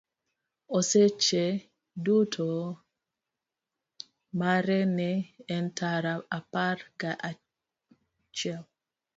Osache chudo mare ne en tara apar ga chiel.